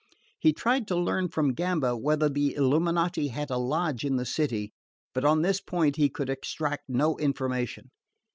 He tried to learn from Gamba whether the Illuminati had a lodge in the city; but on this point he could extract no information.